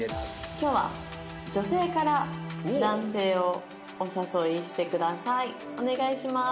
「今日は女性から男性をお誘いしてください」「お願いします」